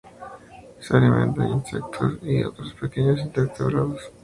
Se alimenta de insectos y otros pequeños invertebrados.